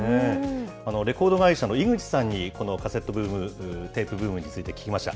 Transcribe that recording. レコード会社の井口さんに、このカセットブーム、テープブームについて聞きました。